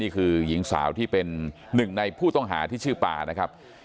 คือหญิงสาวที่เป็นหนึ่งในผู้ต้องหาที่ชื่อป่านะครับ